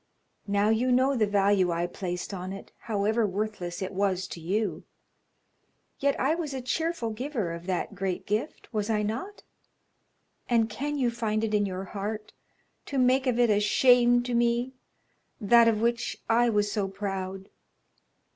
Now you know the value I placed on it, however worthless it was to you. Yet I was a cheerful giver of that great gift, was I not? And can you find it in your heart to make of it a shame to me that of which I was so proud?"